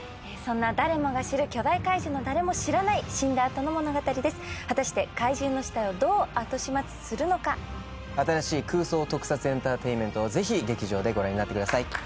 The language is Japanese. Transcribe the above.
そんな誰もが知る巨大怪獣の誰も知らない死んだあとの物語です果たして怪獣の死体をどうあとしまつするのか新しい空想特撮エンターテインメントを是非劇場でご覧になってください